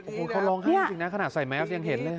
โอ้โหเขาร้องไห้จริงนะขนาดใส่แมสยังเห็นเลย